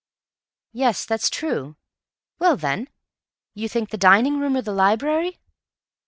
"Yes, that's true. Well, then, you think the dining room or the library?"